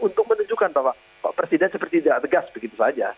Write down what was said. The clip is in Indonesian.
untuk menunjukkan bahwa presiden seperti tidak tegas begitu saja